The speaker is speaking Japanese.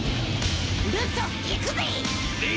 ルッソ行くぜィ！